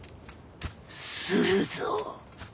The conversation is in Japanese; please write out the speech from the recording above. するぞ